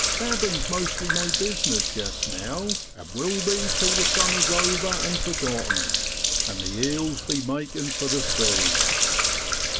Babbin's mostly my business jest now, and will be till the summer's over an' forgotten, and the eels be makin' for the sea.